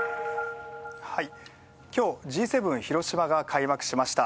きょう、Ｇ７広島が開幕しました。